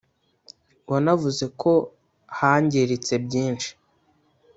wanavuze ko hangiritse byinshi